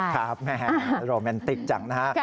แม่โรแมนติกจังนะฮะ